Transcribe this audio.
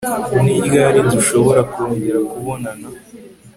Ni ryari dushobora kongera kubonana